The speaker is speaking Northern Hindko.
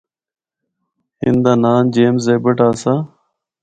ان دا ناں جمیز ایبٹ آسا۔